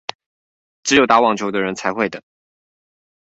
只有打網球的人才會得